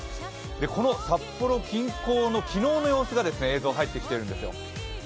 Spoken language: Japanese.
この札幌近郊の昨日の様子の映像が入ってきているんですよ。